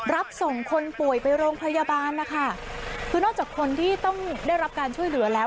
รับส่งคนป่วยไปโรงพยาบาลนะคะคือนอกจากคนที่ต้องได้รับการช่วยเหลือแล้ว